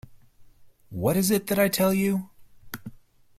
What is it that I tell you?